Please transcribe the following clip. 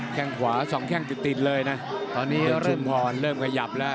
แค่งขวาสองแค่งจุดติดเลยนะตอนนี้เริ่มขยับแล้ว